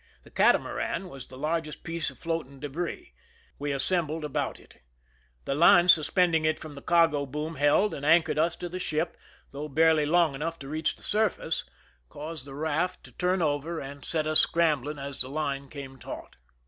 The catamaran was the largest piece of floating debris ; we assembled about it. The line suspending it from the cargo boom held and. anchored us to the ship, though barely long enough to reach the surface, causing the raft 115 \\\\ THE SINKING OF THE "MERRIMAC" to turn over and set us scrambling as the line came taut.